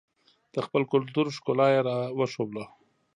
د خپل کلتور ښکلا یې راښودله.